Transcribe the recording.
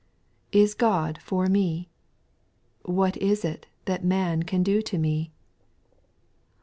1. TS God for me ? what is it X That man can do to me